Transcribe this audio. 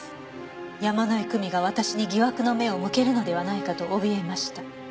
「山井久美が私に疑惑の目を向けるのではないかと怯えました」